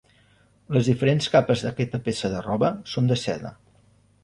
Les diferents capes d'aquesta peça de roba són de seda.